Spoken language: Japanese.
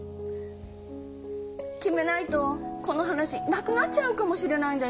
決めないとこの話なくなっちゃうかもしれないんだよ。